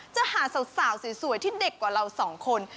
จะหาสาวสวยที่เด็กกว่าเราสองคน